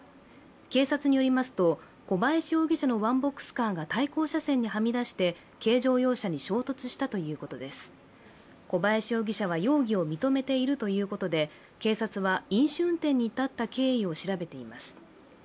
警察によりますと、小林容疑者のワンボックスカーが対向車線にはみ出して、軽乗用車に衝突したということです小林容疑者は容疑を認めているということで警察は飲酒運転に至った経緯を調べています。